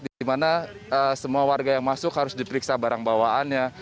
di mana semua warga yang masuk harus diperiksa barang bawaannya